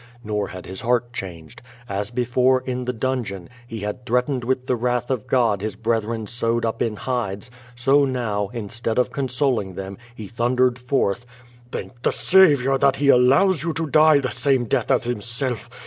Nor had his heart changed. As before, in the dungeon, he had threat ened with the wrath of God liis brethren sewed up in hides, so now, instead of consoling them, he thundered forth: "Thank the Saviour that lie allows you to die the same death as Himself.